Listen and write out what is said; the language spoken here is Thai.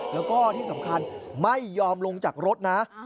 แล้วก็ที่สำคัญไม่ยอมลงจากรถนะ